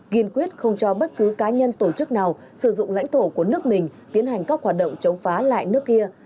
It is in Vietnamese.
kiên quyết không cho bất cứ cá nhân tổ chức nào sử dụng lãnh thổ của nước mình tiến hành các hoạt động chống phá lại nước kia